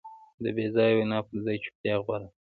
د بېځایه وینا پر ځای چوپتیا غوره ده.